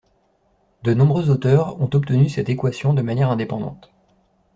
De nombreux auteurs ont obtenu cette équation de manière indépendante.